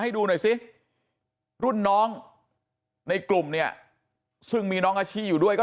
ให้ดูหน่อยซิรุ่นน้องในกลุ่มเนี่ยซึ่งมีน้องอาชิอยู่ด้วยก็